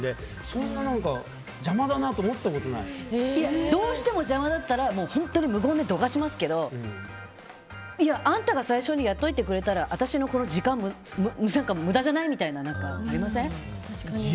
そんな邪魔だなとどうしても邪魔だったら本当に無言でどかしますけどあんたが最初にやっといてくれたら、私の時間無駄じゃない？みたいななりません？